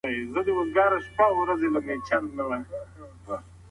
کېدای سي سبزيجات تياره وي.